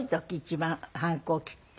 一番反抗期って。